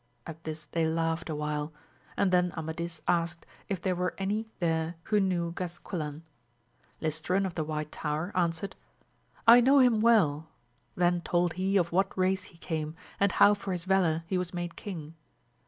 At this they laughed awhile, and then Amadis asked if there were any there who knew Gasquilan ? Listoran of the White Tower, answered, I know him well ; then told he of what race he came, and how for his valour he was made king.